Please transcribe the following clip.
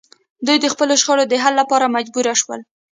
دوی د خپلو شخړو د حل لپاره مجبور شول